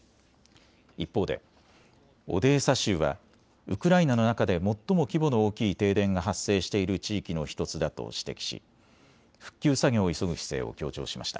一方でオデーサ州は、ウクライナの中で最も規模の大きい停電が発生している地域の１つだと指摘し復旧作業を急ぐ姿勢を強調しました。